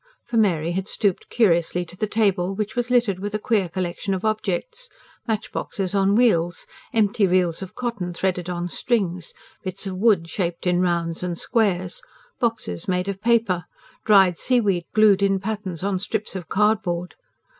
For Mary had stooped curiously to the table which was littered with a queer collection of objects: matchboxes on wheels; empty reels of cotton threaded on strings; bits of wood shaped in rounds and squares; boxes made of paper; dried seaweed glued in patterns on strips of cardboard.